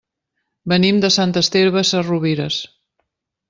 Venim de Sant Esteve Sesrovires.